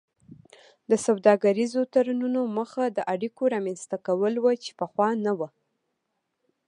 د سوداګریزو تړونونو موخه د اړیکو رامینځته کول وو چې پخوا نه وو